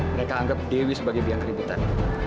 mereka anggap dewi sebagai biang keributan